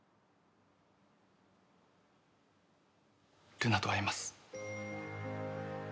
ルナと会います。